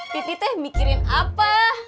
pipi teh mikirin apa